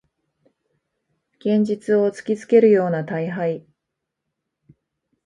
現実を突きつけるような大敗